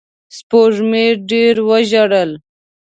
سپوږمۍ ډېر وژړل